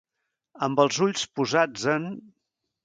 Amb els ulls posats en.